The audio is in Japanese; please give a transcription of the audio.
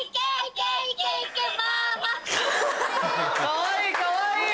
かわいいかわいい！